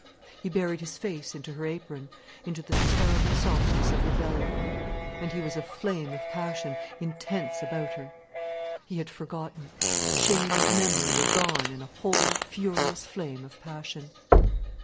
He buried his face into her apron, into the terrible softness of her belly. And he was a flame of passion intense about her. He had forgotten. Shame and memory were gone in a whole, furious flame of passion.